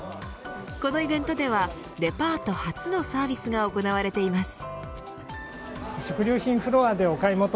このイベントではデパート初のサービスが行われています。